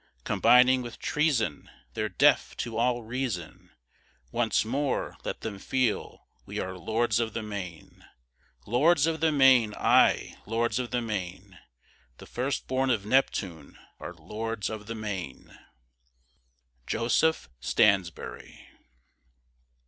Combining with treason, They're deaf to all reason; Once more let them feel we are Lords of the Main. Lords of the Main, aye, Lords of the Main The first born of Neptune are Lords of the Main! JOSEPH STANSBURY.